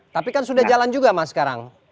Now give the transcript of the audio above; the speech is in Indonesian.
tapi kan sudah jalan juga mas sekarang